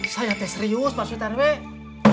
saya tes serius pak ustadz rw